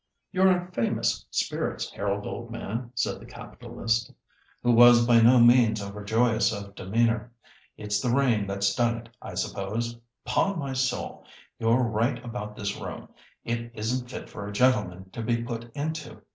"You're in famous spirits, Harold, old man," said the capitalist, who was by no means over joyous of demeanour. "It's the rain that's done it, I suppose. 'Pon my soul, you're right about this room. It isn't fit for a gentleman to be put into.